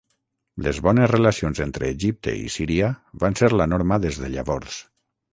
Les bones relacions entre Egipte i Síria van ser la norma des de llavors.